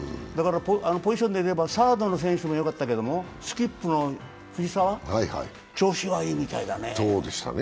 ポジションで見ればサードの選手もよかったけれどもスキップの藤澤、調子いいみたいだね。